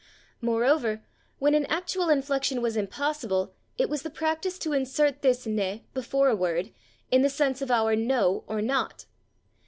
Moreover, when an actual inflection was impossible it was the practise to insert this /ne/ before a word, in the sense of our /no/ or /not